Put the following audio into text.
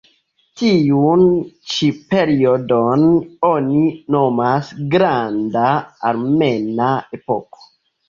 Tiun ĉi periodon oni nomas "Granda Armena Epoko".